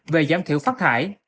về giảm thiểu phát thải